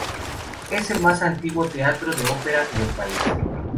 Es el más antiguo teatro de ópera en el país.